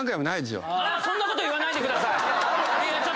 そんなこと言わないでください。